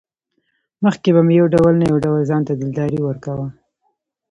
مخکې به مې يو ډول نه يو ډول ځانته دلداري ورکوه.